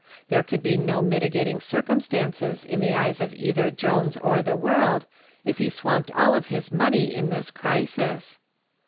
There could be no mitigating circumstances in the eyes of either Jones or the world, if he swamped all of his money in this crisis.